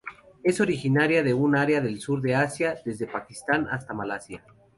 Es originaria de un área del sur de Asia, desde Pakistán hasta Malasia.